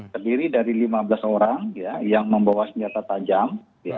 terdiri dari lima belas orang yang membawa senjata tajam